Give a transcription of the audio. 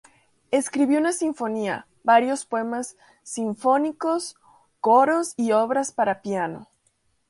Escribió una sinfonía, varios poemas sinfónicos, coros y obras para piano.